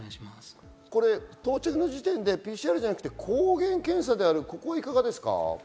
到着時点でＰＣＲでなく抗原検査であるのはいかがですか？